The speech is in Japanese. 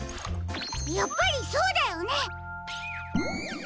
やっぱりそうだよね！